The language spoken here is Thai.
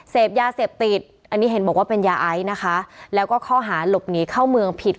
เสพยาเสพติดอันนี้เห็นบอกว่าเป็นยาไอซ์นะคะแล้วก็ข้อหาหลบหนีเข้าเมืองผิด